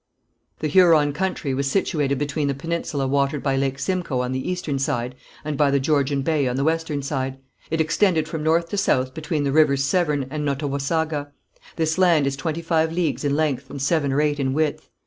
The Huron country was situated between the peninsula watered by Lake Simcoe on the eastern side, and by the Georgian Bay on the western side. It extended from north to south between the rivers Severn and Nottawasaga. This land is twenty five leagues in length and seven or eight in width.